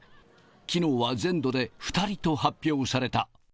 きのうは全土で２人と発表された。